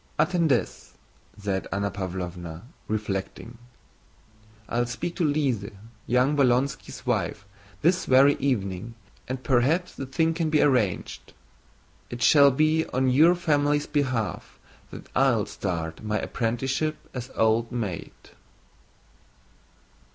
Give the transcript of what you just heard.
"Attendez," said Anna Pávlovna, reflecting, "I'll speak to Lise, young Bolkónski's wife, this very evening, and perhaps the thing can be arranged. It shall be on your family's behalf that I'll start my apprenticeship as old maid."